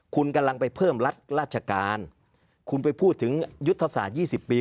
คุณกำลังไปเพิ่มรัฐราชการคุณไปพูดถึงยุทธศาสตร์๒๐ปี